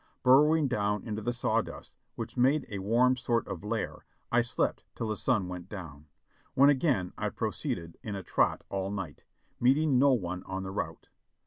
Burrowing down into the saw dust, which made a warm sort of lair, I slept till the sun went down, when again I proceeded in a trot all night, meeting no one on the route.